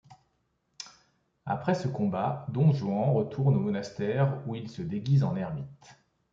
Après ce combat Don Juan retourne au monastère où il se déguise en ermite.